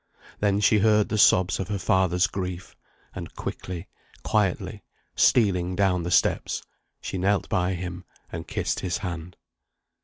Then she heard the sobs of her father's grief; and quickly, quietly, stealing down the steps, she knelt by him, and kissed his hand.